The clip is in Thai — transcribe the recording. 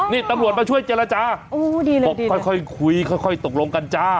อ๋อนี่ตำรวจมาช่วยเจลจ่าโอ้ดีเลยค่อยค่อยคุยค่อยค่อยตกลงกันจ้า